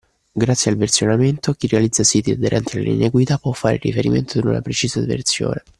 Grazie al versionamento, chi realizza siti aderenti alle linee guida può fare riferimento ad una precisa versione